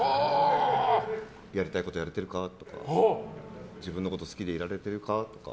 やりたいことやれてるかとか自分のこと好きでいられてるか？とか。